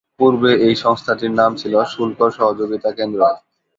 পূর্বে এই সংস্থাটির নাম ছিল শুল্ক সহযোগিতা কেন্দ্র।